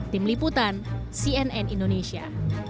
tim liputan cnn indonesia